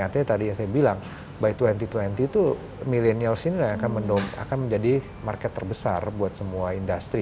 artinya tadi yang saya bilang by dua ribu dua puluh itu millennials ini akan menjadi market terbesar buat semua industri